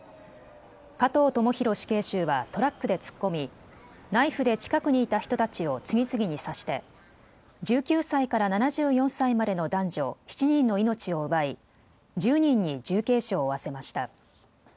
加藤智大死刑囚はトラックで突っ込みナイフで近くにいた人たちを次々に刺して１９歳から７４歳までの男女７人の命を奪い１０人に重軽傷を負わせました。